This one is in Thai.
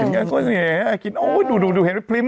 เห็นไหมล่ะโอ๊ยพิมพ์